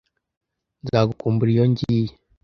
Nzagukumbura iyo ngiye,